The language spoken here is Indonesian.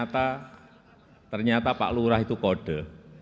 ternyata pak lurah itu kode